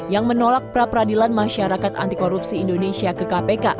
yang menolak praperadilan masyarakat anti korupsi indonesia ke kpk